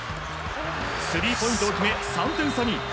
スリーポイントを決め、３点差に。